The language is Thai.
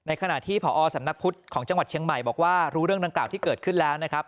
ขณะที่ผอสำนักพุทธของจังหวัดเชียงใหม่บอกว่ารู้เรื่องดังกล่าวที่เกิดขึ้นแล้วนะครับ